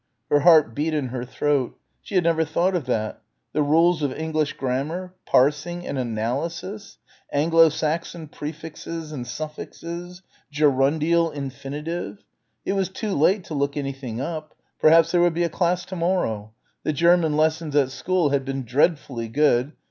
Her heart beat in her throat. She had never thought of that ... the rules of English grammar? Parsing and analysis.... Anglo Saxon prefixes and suffixes ... gerundial infinitive.... It was too late to look anything up. Perhaps there would be a class to morrow.... The German lessons at school had been dreadfully good....